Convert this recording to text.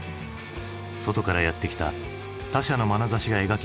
外からやって来た他者のまなざしが描き出すアメリカ。